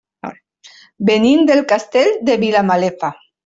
Venim del Castell de Vilamalefa.